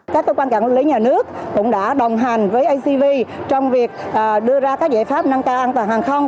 các cơ quan quản lý nhà nước cũng đã đồng hành với acv trong việc đưa ra các giải pháp nâng cao an toàn hàng không